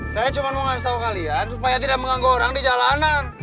saya cuma mau ngasih tahu kalian supaya tidak mengganggu orang di jalanan